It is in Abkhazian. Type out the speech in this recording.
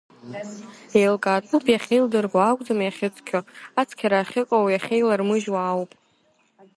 Еилкаатәуп, иахьеилдырго акәӡам иахьыцқьо, ацқьара ахьыҟоу иахьеилармыжьуа ауп.